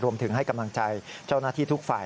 รวมถึงให้กำลังใจเจ้าหน้าที่ทุกฝ่าย